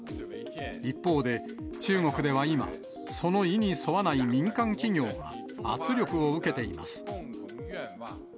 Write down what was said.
一方で、中国では今、その意に沿わない民間企業が圧力を受けています。